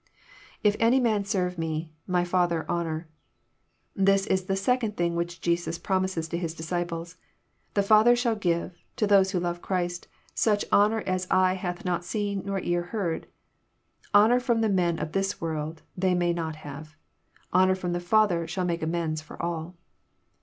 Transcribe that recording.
Iff any man serve me...my Father honour.'] This is the second thing which Jesus promises to His disciples. The Father shall give, to tnose who love Christ, such honour as eye hath not seen nor ear heard. Honour f^om the men of this world they may not have. Honour Trom the Father shall make amends for all.